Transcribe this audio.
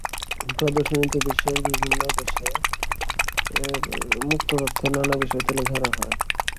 প্রদর্শনীতে বিশ্বের বিভিন্ন দেশের মুক্ত তথ্যের নানা বিষয় তুলে ধরা হয়।